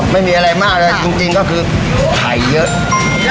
ไม่มีอะไรมากเลยจริงจริงก็คือถ่ายเยอะ